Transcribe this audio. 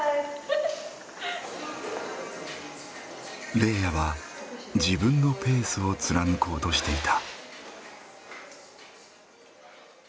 レイヤは自分のペースを貫こうとしていた。